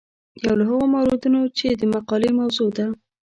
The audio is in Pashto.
یو له هغو موردونو چې د مقالې موضوع ده.